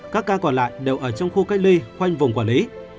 các ca còn lại đều ở trong khu cách ly khoanh vùng quản lý